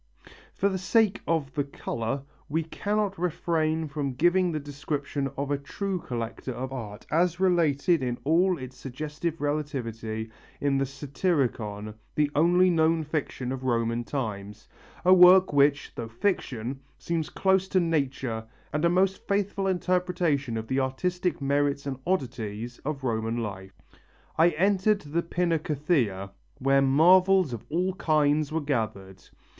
For the sake of the colour, we cannot refrain from giving the description of a true collector of art as related in all its suggestive reality in the Satyricon, the only known fiction of Roman times, a work which, though fiction, seems close to nature and a most faithful interpretation of the artistic merits and oddities of Roman life. "I entered the Pinacotheca, where marvels of all kinds were gathered.